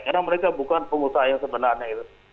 karena mereka bukan pengusaha yang sebenarnya